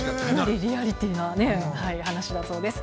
リアリティーな話だそうです。